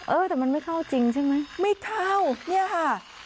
เออแต่มันไม่เข้าจริงใช่ไหมไม่เข้าเนี่ยค่ะ